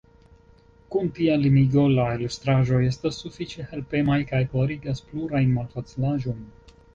Kun tia limigo, la ilustraĵoj estas sufiĉe helpemaj kaj klarigas plurajn malfacilaĵojn.